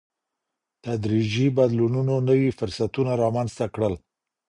تدريجي بدلونونو نوي فرصتونه رامنځته کړل.